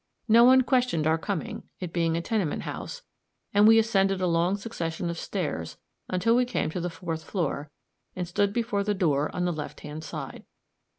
No one questioned our coming, it being a tenement house, and we ascended a long succession of stairs, until we came to the fourth floor, and stood before the door on the left hand side.